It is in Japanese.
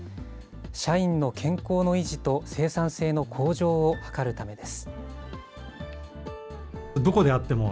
社員の健康の維持と生産性の向上を図るためです。